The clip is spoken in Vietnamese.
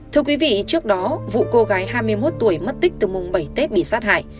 thưa quý vị trước đó vụ cô gái hai mươi một tuổi mất tích từ mùng bảy tết bị sát hại